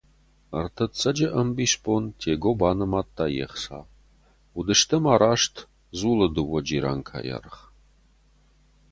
Ӕртыццӕджы ӕмбисбон Тего банымадта йе ’хца — уыдысты ма раст дзулы дыууӕ джиранкайы аргъ.